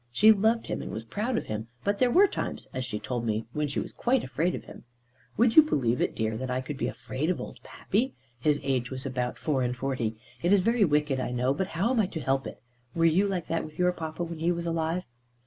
She loved him and was proud of him, but there were times, as she told me, when she was quite afraid of him. "Would you believe it, dear, that I could be afraid of old Pappy?" his age was about four and forty "It is very wicked I know, but how am I to help it? Were you like that with your Papa, when he was alive?"